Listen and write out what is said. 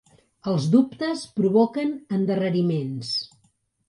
Els dubtes provoquen endarreriments.